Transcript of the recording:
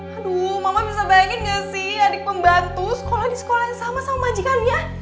aduh mama bisa bayangin gak sih adik pembantu sekolah di sekolah yang sama sama majikannya